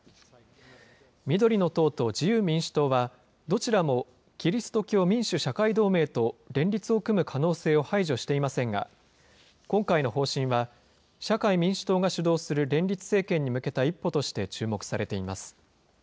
緑の党と自由民主党は、どちらもキリスト教民主・社会同盟と連立を組む可能性を排除していませんが、今回の方針は、社会民主党が主導する連立政権に向けた一歩として注目されています。